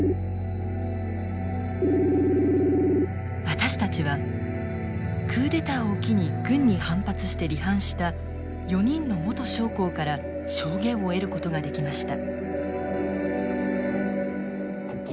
私たちはクーデターを機に軍に反発して離反した４人の元将校から証言を得ることができました。